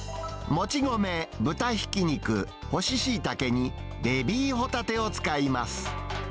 もち米、豚ひき肉、干しシイタケにベビーホタテを使います。